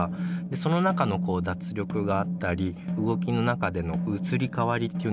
その中の脱力があったり動きの中での移り変わりっていうんですかね。